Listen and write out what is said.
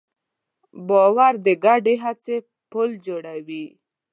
باور د ګډې هڅې پُل جوړوي.